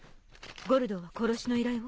ゴルドーは殺しの依頼を？